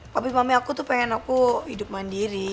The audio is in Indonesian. tapi mami aku tuh pengen aku hidup mandiri